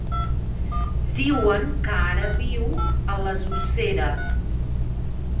Diuen que ara viu a les Useres.